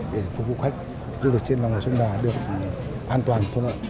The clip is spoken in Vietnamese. để phục vụ khách du lịch trên lòng hồ sông đà được an toàn thuận lợi